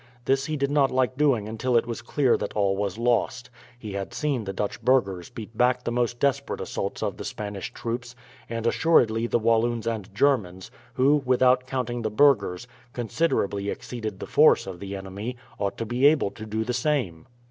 This he did not like doing until it was clear that all was lost. He had seen the Dutch burghers beat back the most desperate assaults of the Spanish troops, and assuredly the Walloons and Germans, who, without counting the burghers, considerably exceeded the force of the enemy, ought to be able to do the same.